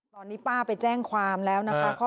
ตอนนี้ป้าไปแจ้งความแล้วนะคะ